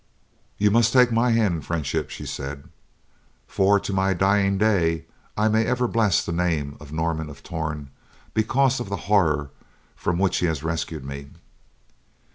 "You must take my hand in friendship," she said, "for, to my dying day, I must ever bless the name of Norman of Torn because of the horror from which he has rescued me."